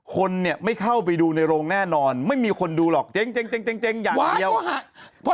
คนเนี่ยไม่เข้าไปดูในโรงแน่นอนไม่มีคนดูหรอกเจ๊งอย่างเดียว